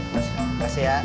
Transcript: mas makasih ya